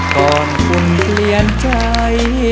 ก่อนคุณเปลี่ยนใจ